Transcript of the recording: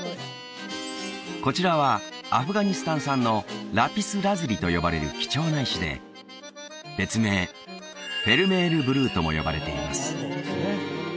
こちらはアフガニスタン産のラピスラズリと呼ばれる貴重な石で別名とも呼ばれています